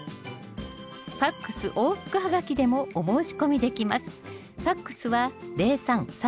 ＦＡＸ往復ハガキでもお申し込みできます